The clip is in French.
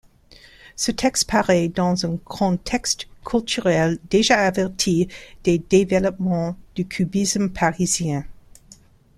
Ce texte paraît dans un contexte culturel déjà averti des développements du cubisme parisien.